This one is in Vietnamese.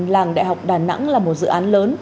làng đại học đà nẵng là một dự án lớn